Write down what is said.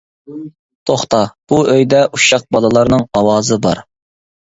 -توختا، بۇ ئۆيدە ئۇششاق بالىلارنىڭ ئاۋازى بار!